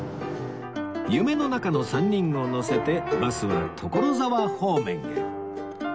夢の中の３人を乗せてバスは所沢方面へ